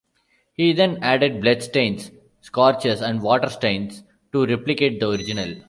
He then added blood stains, scorches and water stains to replicate the original.